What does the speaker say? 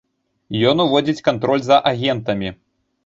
Ён уводзіць кантроль за агентамі.